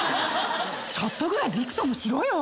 ちょっとくらいビクともしろよ。